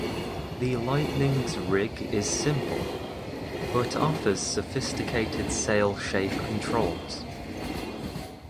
The Lightning's rig is simple, but offers sophisticated sail shape controls.